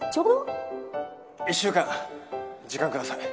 １週間時間ください。